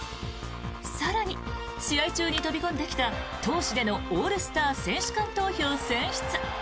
更に、試合中に飛び込んできた投手でのオールスター選手間投票選出。